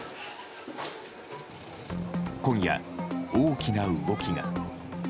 今夜、大きな動きが。